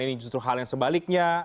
ini justru hal yang sebaliknya